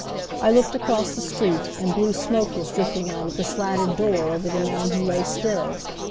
I looked across the street, and blue smoke was drifting out of the slatted door over the man who lay still.